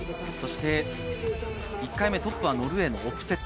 １回目、トップはノルウェーのオプセット。